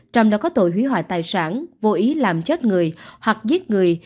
trong đó có tội hủy hoại tài sản vô ý làm chết người hoặc giết người